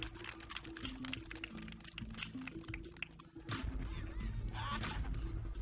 terima kasih bium terima kasih